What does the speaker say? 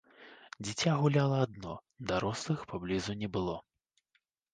Дзіця гуляла адно, дарослых паблізу не было.